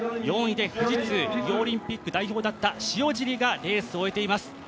４位で富士通リオオリンピック代表だった塩尻がレースを終えています。